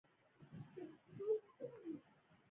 موږ غریب کلیوالي ژوند لرو، د غریبانو به څه دبدبه وي.